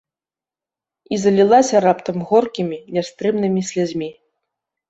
І залілася раптам горкімі нястрымнымі слязьмі.